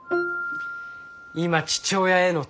今父親への